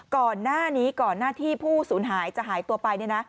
ก่อนหน้านี้ก่อนหน้าที่ผู้สูญหายจะหายตัวไป